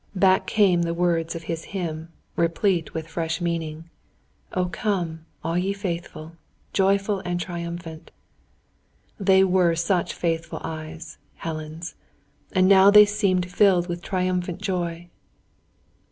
Back came the words of his hymn, replete with fresh meaning. "O come, all ye faithful, Joyful and triumphant!" They were such faithful eyes Helen's; and now they seemed filled with triumphant joy.